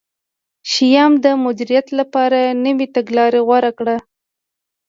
شیام د مدیریت لپاره نوې تګلاره غوره کړه.